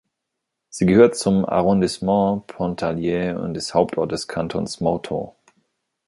Sie gehört zum Arrondissement Pontarlier und ist Hauptort des Kantons Morteau.